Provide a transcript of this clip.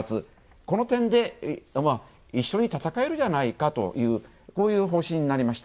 この点で一緒に戦えるじゃないかという方針になりました。